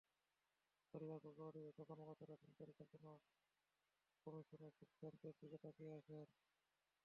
পরিবার পরিকল্পনা অধিদপ্তরের কর্মকর্তারা এখন পরিকল্পনা কমিশনের সিদ্ধান্তের দিকে তাকিয়ে আছেন।